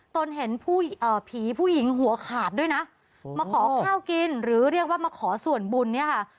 ตนเห็นผีผู้หญิงหัวขาดด้วยนะมาขอข้าวกินหรือเรียกว่ามาขอส่วนบุญเนี่ยค่ะ